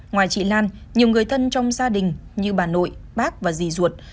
ngoài chị lan nhiều người thân trong gia đình như bà nội bác và dì du ruột